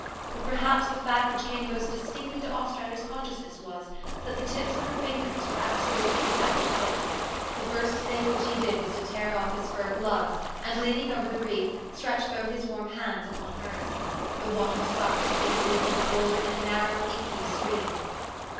But perhaps the fact which came most distinctly to Ostrander's con sciousness was, that the tips of her fingers were absolutely without color. The first thing which he did was to tear off his fur gloves, and, leaning over the reef, stretch both his warm hands upon hers. The water sucked between the reef and the bowlder in a narrow, inky stream.